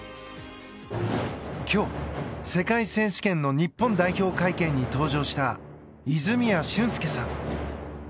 今日、世界選手権の日本代表会見に登場した泉谷駿介さん。